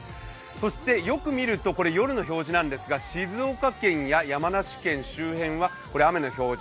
そしてよく見ると夜の表示なんですが、静岡県や山梨県周辺は雨の表示。